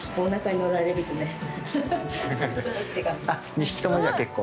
２匹ともじゃあ結構。